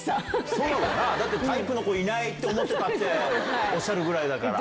そうだろうな、タイプの子いないって思ってたっておっしゃるぐらいだから。